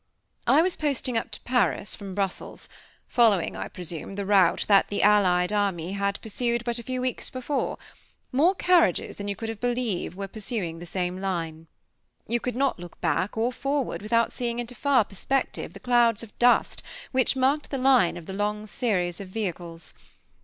I was posting up to Paris from Brussels, following, I presume, the route that the allied army had pursued but a few weeks before more carriages than you could believe were pursuing the same line. You could not look back or forward, without seeing into far perspective the clouds of dust which marked the line of the long series of vehicles.